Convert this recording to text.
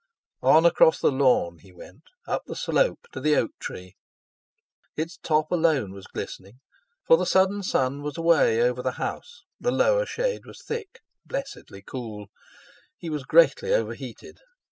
On across the lawn he went, up the slope, to the oak tree. Its top alone was glistening, for the sudden sun was away over the house; the lower shade was thick, blessedly cool—he was greatly overheated.